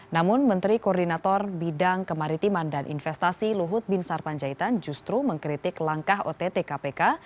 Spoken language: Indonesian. namun menteri koordinator bidang kemaritiman dan investasi luhut bin sarpanjaitan justru mengkritik langkah ott kpk